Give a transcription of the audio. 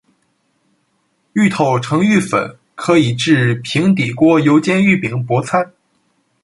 芋头成芋粉可以制平底锅油煎芋饼薄餐。